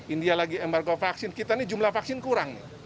india lagi embargo vaksin kita ini jumlah vaksin kurang